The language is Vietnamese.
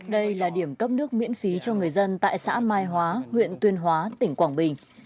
đây là điểm cấp nước miễn phí cho người dân tại xã mai hóa huyện tuyên hóa tỉnh quảng bình